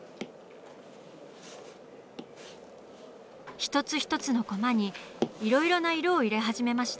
一つ一つのコマにいろいろな色を入れ始めました。